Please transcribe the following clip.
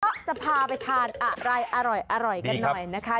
ก็จะพาไปทานอะไรอร่อยกันหน่อยนะคะ